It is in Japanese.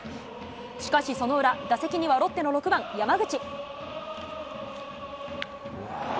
しかしその裏、打席にはロッテの６番山口。